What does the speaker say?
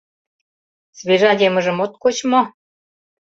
— Свежа емыжым от коч мо?